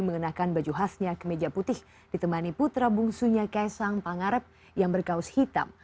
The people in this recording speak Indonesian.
mengenakan baju khasnya kemeja putih ditemani putra bungsunya ks sang pangarep yang berkaus hitam